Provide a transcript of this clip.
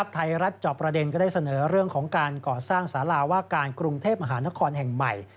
ไทยรัฐจอบประเด็นก็ได้เสนอเรื่องของการก่อสร้างสาราว่าการกรุงเทพมหานครแห่งใหม่